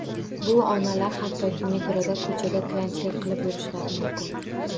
Bu onalar hattoki metroda, koʻchada tilanchilik qilib yurishlari mumkin.